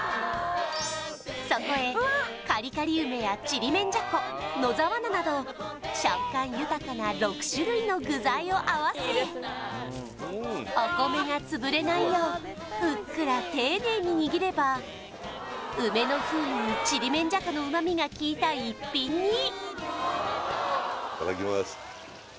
そこへカリカリ梅やちりめんじゃこ野沢菜など食感豊かな６種類の具材を合わせお米がつぶれないようふっくら丁寧に握れば梅の風味にちりめんじゃこの旨みがきいた逸品にいただきます